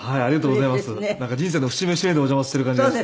人生の節目節目でお邪魔している感じがして。